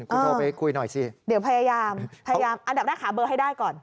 คุณโทรไปคุยหน่อยสิเดี๋ยวพยายามพยายามอันดับแรกหาเบอร์ให้ได้ก่อน